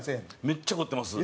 めっちゃ凝ってます。